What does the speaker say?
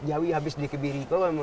jawi yang dikebiri lebih lemak